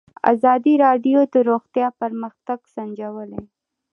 ازادي راډیو د روغتیا پرمختګ سنجولی.